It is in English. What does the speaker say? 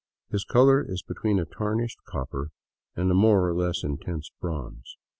His color is between a tarnished copper and a more or less intense bronze.